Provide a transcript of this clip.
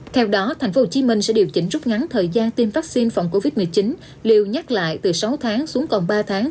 theo đó tp hcm sẽ điều chỉnh rút ngắn thời gian tiêm vaccine phòng covid một mươi chín liều nhắc lại từ sáu tháng xuống còn ba tháng